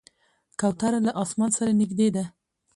کوتره له اسمان سره نږدې ده.